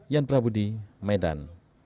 yan prabudi medan